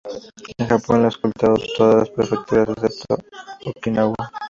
En Japón, la es cultivado en todas las prefecturas, excepto Okinawa.